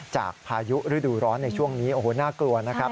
พายุฤดูร้อนในช่วงนี้โอ้โหน่ากลัวนะครับ